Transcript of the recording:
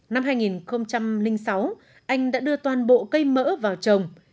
năm hai nghìn sáu anh đã đưa toàn bộ cây mỡ vào trồng